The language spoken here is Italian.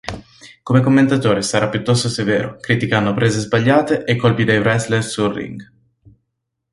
Come commentatore sarà piuttosto severo, criticando prese sbagliate e colpi dei wrestler sul ring.